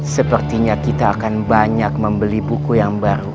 sepertinya kita akan banyak membeli buku yang baru